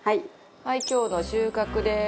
はい今日の収穫です。